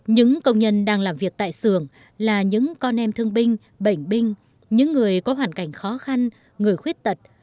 những công nhân đang làm việc tại xưởng là những con em thương binh bệnh binh những người có hoàn cảnh khó khăn người khuyết tật